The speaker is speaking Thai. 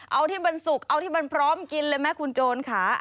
เอาที่มันสุกเอาที่มันพร้อมกินเลยไหมคุณโจรค่ะ